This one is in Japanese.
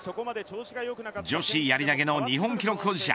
女子やり投げの日本記録保持者